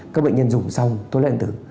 các bệnh nhân dùng xong thuốc lá điện tử